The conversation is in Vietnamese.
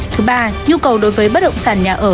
thứ ba nhu cầu đối với bất động sản nhà ở